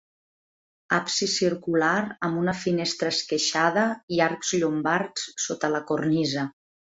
Absis circular amb una finestra esqueixada i arcs llombards sota la cornisa.